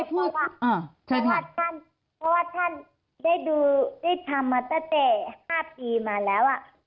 เพราะว่าท่านได้ทำมาตั้งแต่๕ปีมาแล้ว